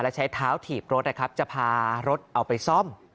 แล้วใช้เท้าถีบรถนะครับจะพารถเอาไปซ่อม